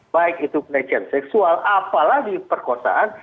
baik itu pelecehan seksual apalagi perkosaan